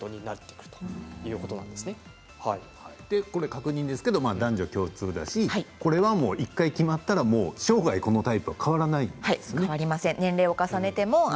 確認ですけれども男女共通だしこれは１回、決まったら生涯このタイプは変わらないんですね。